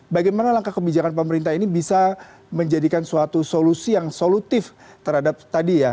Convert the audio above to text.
bagaimana langkah kebijakan pemerintah ini bisa menjadikan suatu solusi yang solutif terhadap tadi ya